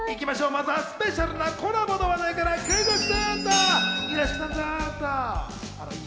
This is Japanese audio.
まずはスペシャルなコラボの話題からクイズッス！